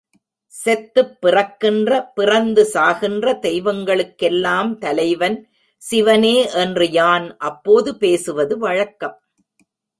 செத்துப் பிறக்கின்ற பிறந்து சாகின்ற தெய்வங்களுக்கெல்லாம் தலைவன் சிவனே என்று யான் அப்போது பேசுவது வழக்கம்.